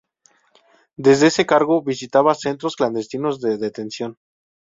Desde ese cargo visitaba centros clandestinos de detención.